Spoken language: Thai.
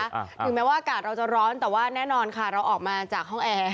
ถึงแม้ว่าอากาศเราจะร้อนแต่ว่าแน่นอนค่ะเราออกมาจากห้องแอร์